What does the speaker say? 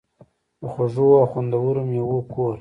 د خوږو او خوندورو میوو کور.